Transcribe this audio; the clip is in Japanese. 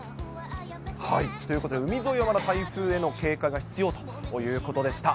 ということで海沿いはまだ台風への警戒が必要ということでした。